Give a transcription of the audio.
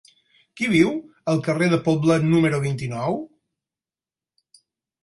Qui viu al carrer de Poblet número vint-i-nou?